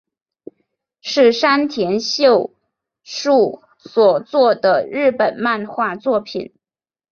是山田秀树所作的日本漫画作品。